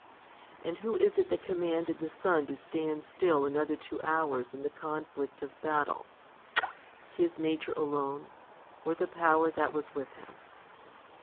1 And who is it that com manded the sun to stand still another two hours in the conflict of battle? his nature alone, or the power that was with him?